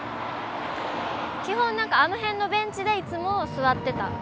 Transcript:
基本何かあの辺のベンチでいつも座ってた。